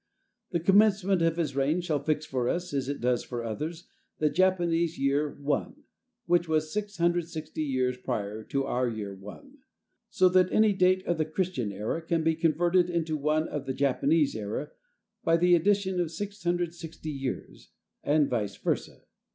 The commencement of his reign shall fix for us, as it does for others, the Japanese year 1, which was 660 years prior to our year 1, so that any date of the Christian era can be converted into one of the Japanese era by the addition of 660 years, and _vice versa.